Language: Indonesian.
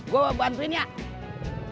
gue bantuin yak